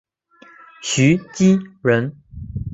徐积人。